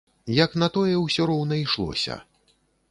Як на тое ўсё роўна ішлося.